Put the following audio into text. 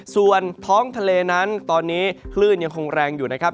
ส่วนท้องทะเลนั้นตอนนี้คลื่นยังคงแรงอยู่นะครับ